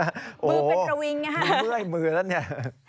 มือเป็นระวิงนะฮะเมื่อยมือแล้วเนี่ย